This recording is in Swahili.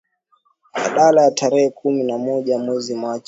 badala ya tarehe kumi na moja mwezi machi